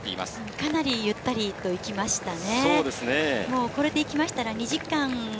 かなりゆったりといきましたね。